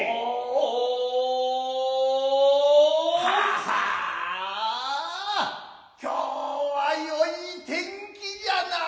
ははあ今日はよい天気ぢやな。